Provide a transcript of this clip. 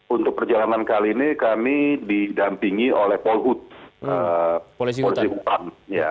untuk perjalanan kali ini kami didampingi oleh polhut polisi hutan